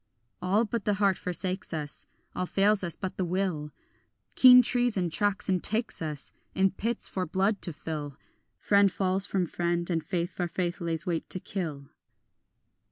All but the heart forsakes us, All fails us but the will; Keen treason tracks and takes us In pits for blood to fill; Friend falls from friend, and faith for faith lays wait to kill.